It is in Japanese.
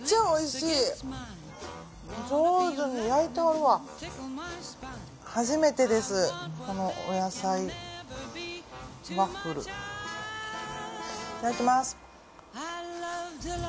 いただきます。